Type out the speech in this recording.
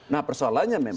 nah persoalannya memang